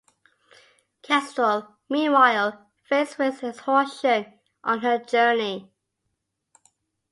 Kestrel, meanwhile, faints with exhaustion on her journey.